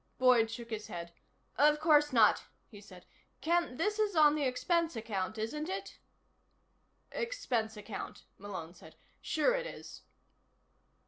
Boyd shook his head. "Of course not," he said. "Ken: this is on the expense account, isn't it?" "Expense account," Malone said. "Sure it is."